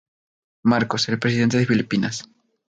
Marcos, el Presidente de Filipinas.